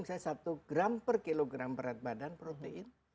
misalnya satu gram per kilogram berat badan protein